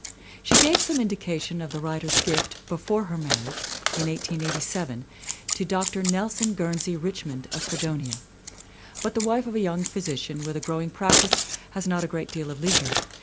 She gave some indica tions of the writer's gift before her marriage, in 1887, to Dr. Nelson Guernsey Richmond of Fredonia. But the wife of a young physician with a growing practice has not a great deal of leisure.